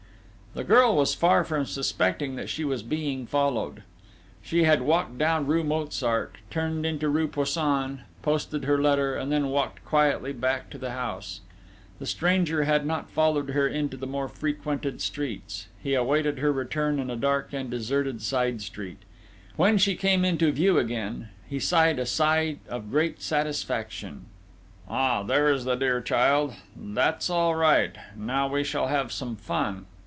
The girl was far from suspecting that she was being followed. She had walked down rue Mozart, turned into rue Poussin, posted her letter, and then walked quietly back to the house. The stranger had not followed her into the more frequented streets: he awaited her return in a dark and deserted side street. When she came into view again, he sighed a sigh of great satisfaction. "Ah, there is the dear child!... That's all right.... Now we shall have some fun!...